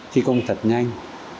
thi công thật nhanh